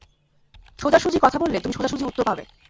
সোজাসুজি কথা বললে, তুমি সোজাসুজি উত্তর পাবে।